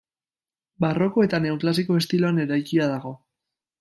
Barroko eta neoklasiko estiloan eraikia dago.